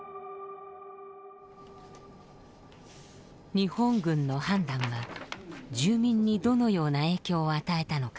日本軍の判断は住民にどのような影響を与えたのか。